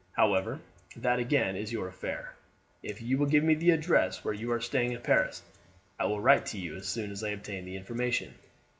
However, that again is your affair. If you will give me the address where you are staying in Paris I will write to you as soon as I obtain the information.